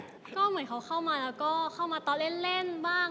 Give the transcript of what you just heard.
ก็เหมือนเขาเข้ามาแล้วก็เข้ามาตอนเล่นบ้าง